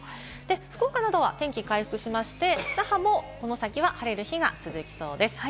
福岡などは天気が回復しまして、那覇もこの先は晴れる日が続きそうです。